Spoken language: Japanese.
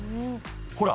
ほら。